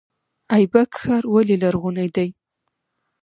ایبک ښار ولې لرغونی دی؟